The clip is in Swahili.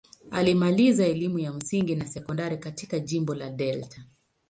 Alimaliza elimu ya msingi na sekondari katika jimbo la Delta.